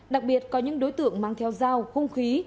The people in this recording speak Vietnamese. đặc biệt có những đối tượng mang theo dao hung khí